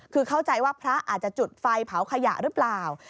คือเข้าใจว่าพระอาจจะจุดไฟเผาขยะหรือเปล่า